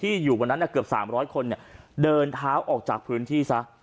ที่อยู่บนนั้นเนี่ยเกือบ๓๐๐คนเนี่ยเดินเท้าออกจากพื้นที่ซะ